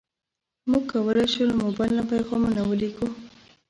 موږ کولی شو له موبایل نه پیغامونه ولېږو.